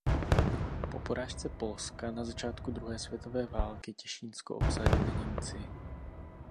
Po porážce Polska na začátku druhé světové války Těšínsko obsadili Němci.